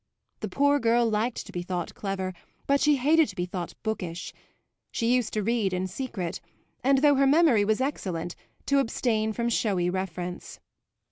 The poor girl liked to be thought clever, but she hated to be thought bookish; she used to read in secret and, though her memory was excellent, to abstain from showy reference.